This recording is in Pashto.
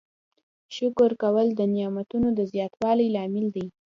شکر کول د نعمتونو د زیاتوالي لامل دی.